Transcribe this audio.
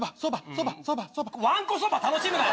わんこそば楽しむな。